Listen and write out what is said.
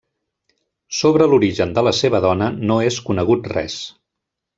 Sobre l'origen de la seva dona no és conegut res.